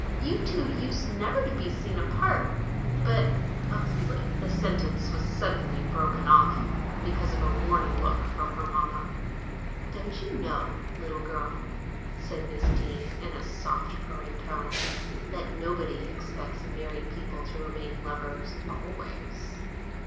"You two used never to be seen apart; but of late " The sentence was suddenly broken off because of a warning look from her mamma. "Don't you know, little girl," said Miss Deane in a soft, purring tone, "that nobody expects married people to remain lovers always?"